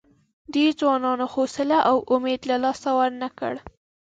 دې ځوانانو حوصله او امید له لاسه ورنه کړ.